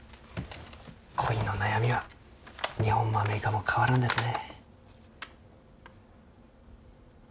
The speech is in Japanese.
恋の悩みは日本もアメリカも変わらんですね。